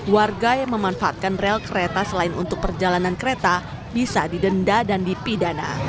warga yang memanfaatkan rel kereta selain untuk perjalanan kereta bisa didenda dan dipidana